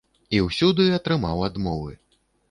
І ўсюды атрымаў адмовы.